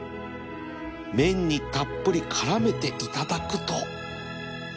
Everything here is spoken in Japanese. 麺にたっぷり絡めていただくと